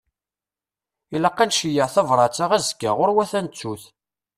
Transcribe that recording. Ilaq-aɣ ad nceyyeε tabrat-a azekka, ɣurwat ad nettut.